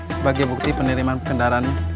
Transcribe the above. sebagai bukti penerimaan kendaraannya